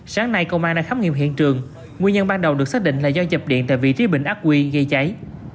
sáng nay công an đã khám nghiệm hiện trường nguyên nhân ban đầu được xác định là do chập điện tại vị trí bình ác quy gây cháy